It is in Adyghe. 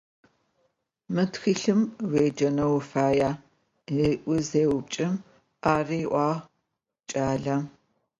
«Мы тхылъым уеджэнэу уфая?», - ыӏуи зеупчӏым, «ары», - ыӏуагъ кӏалэм.